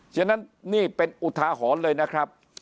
ฉะนั้นนี่เป็นอุทาหรณ์เลยนะครับ